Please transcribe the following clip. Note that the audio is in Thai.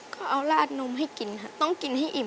เขาเอาราดนมให้กินค่ะต้องกินให้อิ่